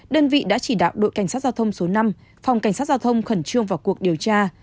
đơn vị đã chỉ đạo đội cảnh sát giao thông số năm phòng cảnh sát giao thông khẩn trương vào cuộc điều tra